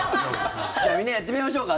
じゃあ、みんなやってみましょうか。